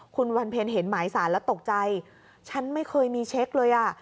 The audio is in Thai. คุณวันเพ็ญเห็นหมายสารแล้วตกใจฉันไม่เคยมีเช็คเลยอ่ะ